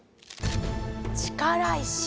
力石。